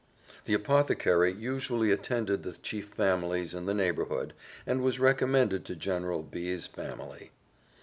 The apothecary usually attended the chief families in the neighbourhood, and was recommended to General B 's family.